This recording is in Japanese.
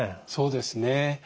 そうですね。